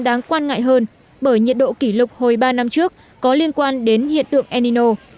đáng quan ngại hơn bởi nhiệt độ kỷ lục hồi ba năm trước có liên quan đến hiện tượng enino